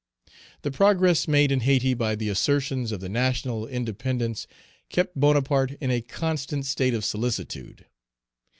The progress made in Hayti by the assertors of the national independence kept Bonaparte in a constant state of solicitude.